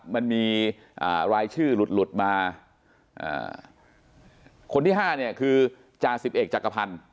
มันมีรายชื่อหลุดหลุดมาคนที่๕เนี่ยคือจ่าสิบเอกจักรพันธ์